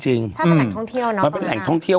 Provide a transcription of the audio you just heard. ใช่แล้วเป็นแห่งท้องเที่ยว